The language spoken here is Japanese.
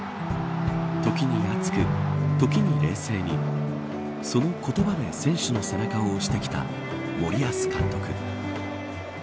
時に熱く時に冷静にその言葉で選手の背中を押してきた森保監督。